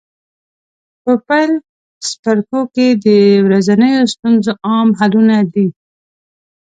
په پیل څپرکو کې د ورځنیو ستونزو عام حلونه دي.